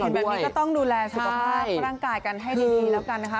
แบบนี้ก็ต้องดูแลสุขภาพร่างกายกันให้ดีแล้วกันนะคะ